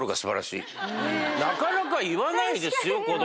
なかなか言わないですよ子供。